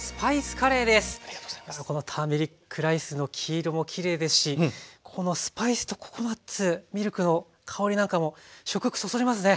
このターメリックライスの黄色もきれいですしこのスパイスとココナツミルクの香りなんかも食欲そそりますね。